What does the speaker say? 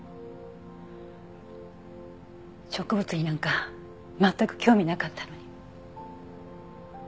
植物になんか全く興味なかったのに。